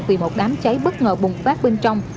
vì một đám cháy bất ngờ bùng phát bên trong